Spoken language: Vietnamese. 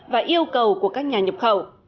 và yêu cầu của các nhà nhập khẩu